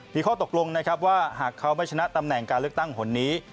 มีข้อตกลงนะครับว่าหากเขาไม่ชนะตำแหน่งการเลือกตั้งคนนี้